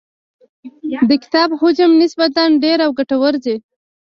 د کتاب حجم نسبتاً ډېر او ګټور دی.